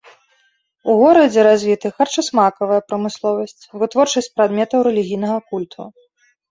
У горадзе развіты харчасмакавая прамысловасць, вытворчасць прадметаў рэлігійнага культу.